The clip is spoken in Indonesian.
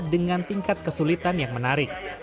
dengan tingkat kesulitan yang menarik